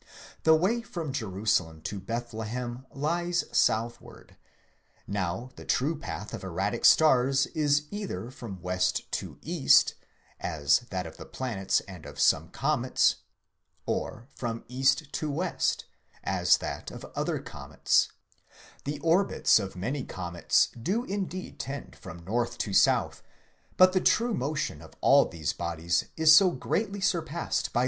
The.way from Jerusalem to Bethlehem lies southward ; now the true path of erratic stars is either from west to east, as that of the planets and of some comets, or from east to west, as that of other comets; the orbits of many comets do indeed tend from north to south, but the true motion of all these bodies is so greatly surpassed by their apparent motion 7 K.